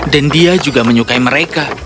dan dia juga menyukai mereka